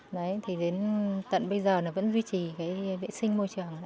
đấy thì đến tận bây giờ là vẫn duy trì cái vệ sinh môi trường